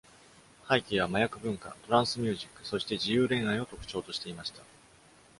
背景は麻薬文化、トランスミュージック、そして自由恋愛を特徴としていました。